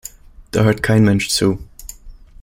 Da hört kein Mensch zu.